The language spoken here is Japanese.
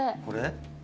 これ？